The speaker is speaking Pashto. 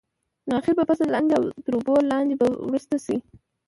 نو اخر به فصل لاندې او تر اوبو لاندې به وروست شي.